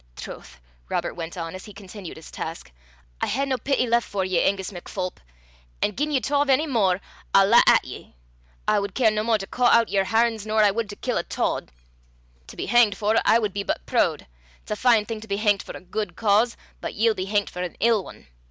"Troth!" Robert went on, as he continued his task, "I hae no pity left for ye, Angus MacPholp; an' gien ye tyauve ony mair, I'll lat at ye. I wad care no more to caw oot yer harns nor I wad to kill a tod (fox). To be hangt for 't, I wad be but prood. It's a fine thing to be hangt for a guid cause, but ye'll be hangt for an ill ane.